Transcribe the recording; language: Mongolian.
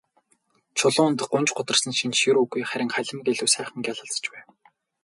Чулуунд гуньж гутарсан шинж ер үгүй, харин халимаг нь илүү сайхан гялалзаж байв.